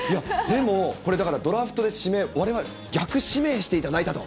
でもこれだから、ドラフトで指名、われわれ、逆指名していただいたと。